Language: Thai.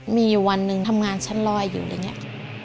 มีวันนึงทำงานชั้นลอยอยู่แล้วเนี่ย